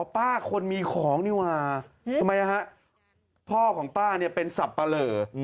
อ๋อป้าคนมีของนี่ว่าทำไมอ่ะฮะพ่อของป้าเนี่ยเป็นศัพท์ประเหล่